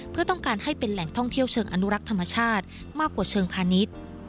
เพื่อต้องการให้เป็นแหล่งท่องเที่ยวเชิงอนุรักษ์ธรรมชาติมากกว่าเชิงพาณิชย์